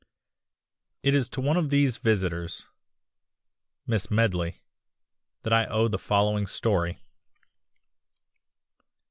It is to one of these visitors Miss Medley that I owe the following story.